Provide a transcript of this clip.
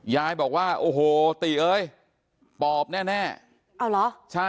ยายบอกว่าโอ้โหติเอ้ยปอบแน่เอาเหรอใช่